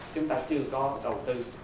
chúng ta chưa có đầu tư